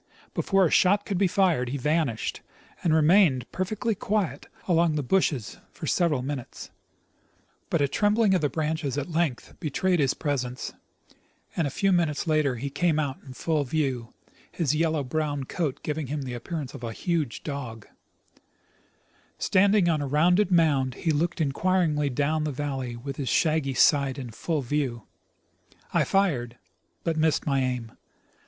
Before a shot could be fired, he vanished, and remained jDerfectly quiet among the bushes for several minutes. But a trembling of the branches at length be trayed his presence, and a few minutes later he came out in full view, his yellow brown coat giving him the appearance of a huge 16— Nat. Geog. Mag., vol. HI, 1891. 110 I. C. R.usseU — Exjjedition to Mount St. Elias. dog. Standing on a rounded mound he looked inquiringly down the valley, with his shaggy side in full view. I fired — but missed my aim.